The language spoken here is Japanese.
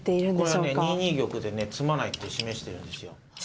これはね、２二玉で詰まない手を示しているんですよ。